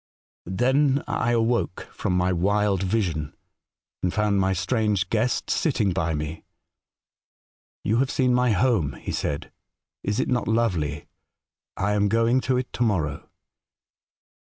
" Then I awoke from my wild vision, and found my strange guest sitting by me. "' You have seen my home,' he said. ' Is it not lovely ? I am going to it to morrow.'